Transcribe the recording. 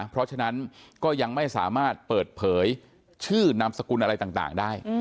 เพราะฉะนั้นก็ยังไม่สามารถเปิดเผยชื่อนามสกุลอะไรต่างได้